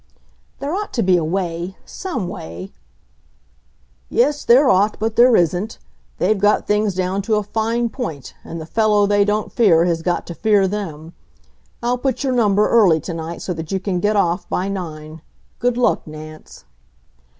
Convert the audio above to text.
"There ought to be a way some way " "Yes, there ought, but there isn't. They've got things down to a fine point, and the fellow they don't fear has got to fear them.... I'll put your number early to night, so that you can get off by nine. Good luck, Nance."